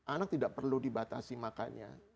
anak tidak perlu dibatasi makannya